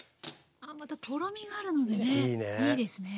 とろみがあるのでねいいですね。